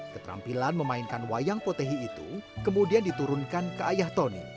keterampilan memainkan wayang potehi itu kemudian diturunkan ke ayah tony